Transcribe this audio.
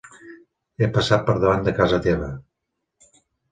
He passat per davant de casa teva.